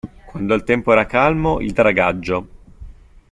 Quando il tempo era calmo, il dragaggio.